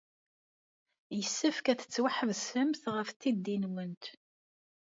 Yessefk ad tettwaḥasbemt ɣef tiddit-nwent.